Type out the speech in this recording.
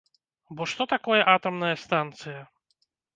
Бо што такое атамная станцыя?